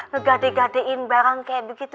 ngegade gadein barang kayak begitu